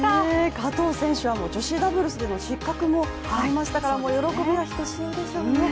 加藤選手は女子ダブルスでの失格もありましたからもう喜びもひとしおでしょうね！